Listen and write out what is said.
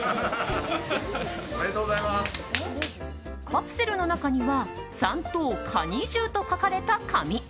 カプセルの中には３等、蟹重と書かれた紙。